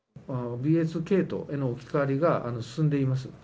ＢＡ．２系統への置き換わりが進んでいます。